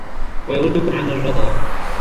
وَيَرُدُّكُمْ عَنْ الرَّدَى